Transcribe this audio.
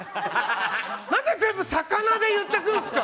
何で全部魚で言っていくんすか！